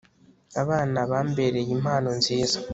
abana bambereye impano nziza